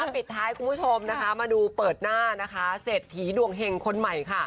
ปิดท้ายคุณผู้ชมมาดูเปิดหน้าเสร็จถีดวงเห็งคนใหม่ค่ะ